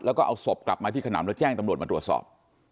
แล้วก็เอาศพกลับมาที่ขนำแล้วแจ้งตำรวจมาตรวจสอบ